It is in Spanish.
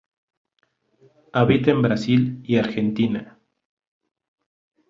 Habita en Brasil y Argentina.